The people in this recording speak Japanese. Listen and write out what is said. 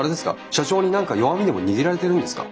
社長に何か弱みでも握られてるんですか？